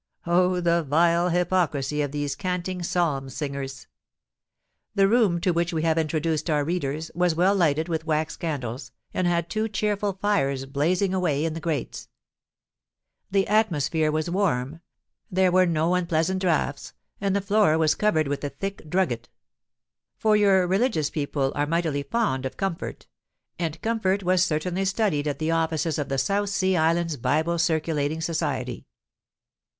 Oh! the vile hypocrisy of these canting psalm singers! The room to which we have introduced our readers, was well lighted with wax candles, and had two cheerful fires blazing away in the grates. The atmosphere was warm—there were no unpleasant draughts—and the floor was covered with a thick drugget;—for your religious people are mightily fond of comfort; and comfort was certainly studied at the offices of the South Sea Islands Bible Circulating Society.